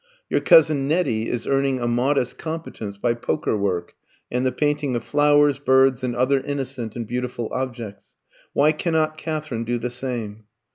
"Your cousin Nettie is earning a modest competence by poker work, and the painting of flowers, birds, and other innocent and beautiful objects. Why cannot Katherine do the same?